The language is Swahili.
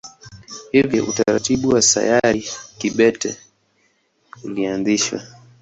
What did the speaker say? Hivyo utaratibu wa sayari kibete ulianzishwa.